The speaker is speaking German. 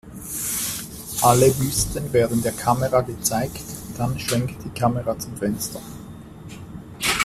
Alle Büsten werden der Kamera gezeigt, dann schwenkt die Kamera zum Fenster.